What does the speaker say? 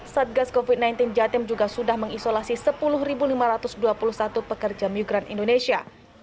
satgas covid sembilan belas jatim juga sudah mengisolasi sepuluh lima ratus dua puluh satu pekerja migran indonesia